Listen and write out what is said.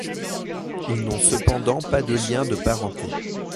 Ils n'ont cependant pas de lien de parenté.